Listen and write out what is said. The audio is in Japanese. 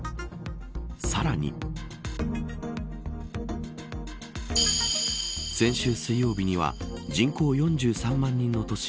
さらに先週水曜日には人口４３万人の都市